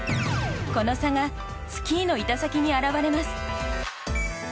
この差がスキーの板先に表れます。